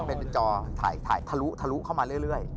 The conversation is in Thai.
เป็นจอถ่ายทะลุทะลุเข้ามาเรื่อย